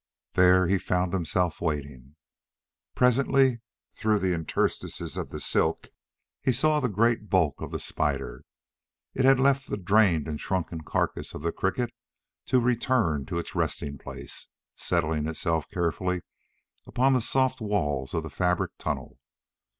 Then he found himself waiting. Presently, through the interstices of the silk, he saw the gray bulk of the spider. It had left the drained and shrunken carcass of the cricket to return to its resting place, settling itself carefully upon the soft walls of the fabric tunnel.